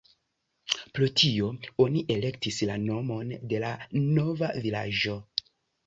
Pro tio oni elektis la nomon de la nova vilaĝo.